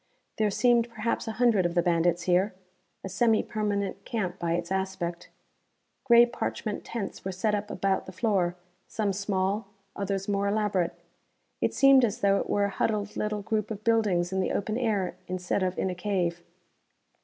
There seemed perhaps a hundred of the bandits here. A semi permanent camp, by its aspect. Grey parchment tents were set up about the floor, some small, others more elaborate. It seemed as though it were a huddled little group of buildings in the open air, instead of in a cave.